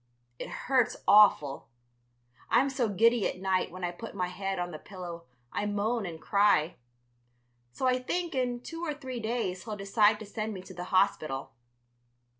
It hurts awful. I'm so giddy at night when I put my head on the pillow I moan and cry. So I think in two or three days he'll decide to send me to the hospital.